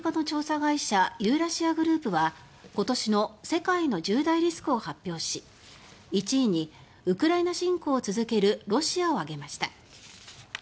会社ユーラシアグループは今年の「世界の１０大リスク」を発表し１位にウクライナ侵攻を続けるロシアを挙げました。